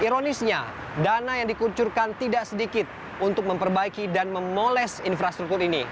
ironisnya dana yang dikucurkan tidak sedikit untuk memperbaiki dan memoles infrastruktur ini